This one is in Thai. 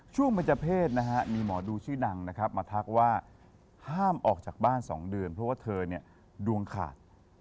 ช่วงประจำเพศมีหมอดูชื่อนางมาทักว่าห้ามออกจากบ้าน๒เดือนเพราะว่าเธอดวงขาด